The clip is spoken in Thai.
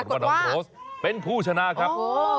ว่าน้องโรสเป็นผู้ชนะครับ